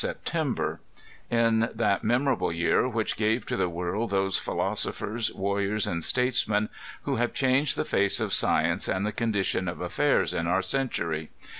fn teraber, ŌĆö in that memorable year which gave to the world these philosophers, warriors and statesmen who have changed the &oe of science and the condition of affairs in oar century.